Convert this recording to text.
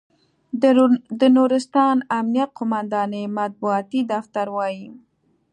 د نورستان امنیه قوماندانۍ مطبوعاتي دفتر وایي،